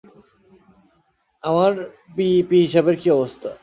আমার পিইপি হিসাবের কী অবস্থা?